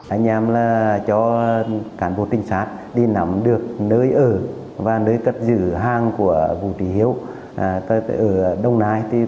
anh em là cho cản bộ tình sát đi nắm được nơi ở và nơi cất giữ hàng của vũ tri hiếu ở đông nai